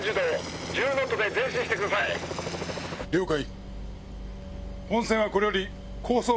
了解。